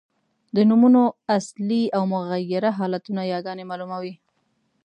د نومونو اصلي او مغیره حالتونه یاګاني مالوموي.